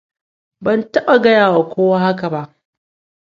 Ban taɓa gaya wa kowa haka ba.